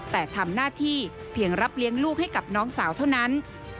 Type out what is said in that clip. แต่ทำหน้าที่เพียงรับเลี้ยงลูกให้กับน้องสาวเท่านั้น